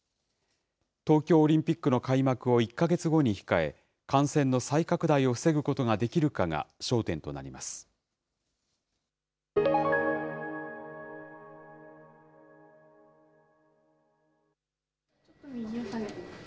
東京オリンピックの開幕を１か月後に控え、感染の再拡大を防ぐことができるかが焦点となります。